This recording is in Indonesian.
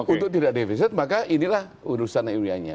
untuk tidak defisit maka inilah urusan iurannya